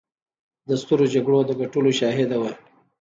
د سترو جګړو د ګټلو شاهده وه.